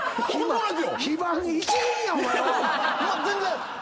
全然！